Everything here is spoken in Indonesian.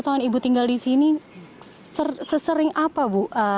tahun ibu tinggal di sini sesering apa bu